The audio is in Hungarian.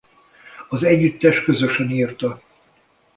Az együttes közösen írta.